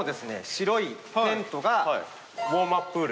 白いテントがウォームアッププール。